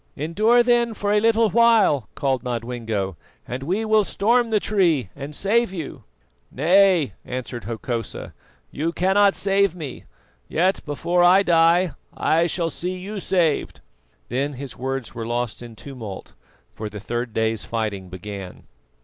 "Endure then a little while," called Nodwengo, "and we will storm the tree and save you." "Nay," answered Hokosa, "you cannot save me; yet before I die I shall see you saved." Then his words were lost in tumult, for the third day's fighting began.